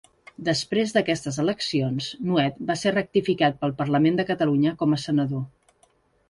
Després d'aquestes eleccions, Nuet va ser ratificat pel Parlament de Catalunya com a senador.